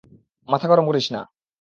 মাথা গরম করিস না।